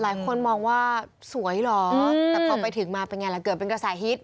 หลายคนมองว่าสวยเหรอแต่พอไปถึงมาเป็นไงล่ะเกิดเป็นกระแสฮิต